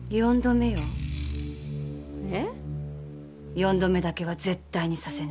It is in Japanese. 四度目だけは絶対にさせない。